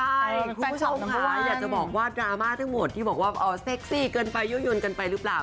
ใช่คุณผู้ชมนะคะว่าอยากจะบอกว่าดราม่าทั้งหมดที่บอกว่าเซ็กซี่เกินไปยั่วยวนกันไปหรือเปล่า